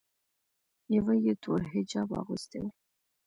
یوه یې تور حجاب اغوستی و.